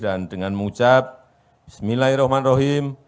dan dengan mengucap bismillahirrahmanirrahim